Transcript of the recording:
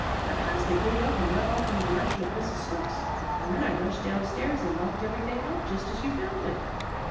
At last they gave up and went off in the direction of Mrs. Snooks, and then I rushed down stairs and locked everything up just as you found it."